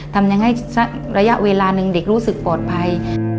ทำให้ระยะเวลาหนึ่งเด็กรู้สึกปลอดภัย